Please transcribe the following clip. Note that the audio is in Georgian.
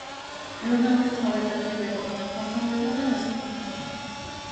მეურნეობის მთავარი დარგები იყო მიწათმოქმედება და მესაქონლეობა.